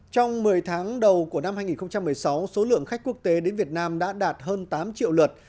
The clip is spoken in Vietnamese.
trong một mươi tháng đầu của năm hai nghìn một mươi sáu số lượng khách quốc tế đến việt nam đã đạt hơn tám triệu lượt